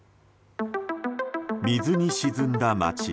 水に沈んだ町。